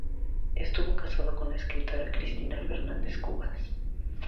Estuvo casado con la escritora Cristina Fernández Cubas.